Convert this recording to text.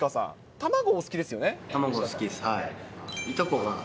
卵、好きです。